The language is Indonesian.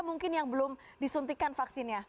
mungkin yang belum disuntikan vaksinnya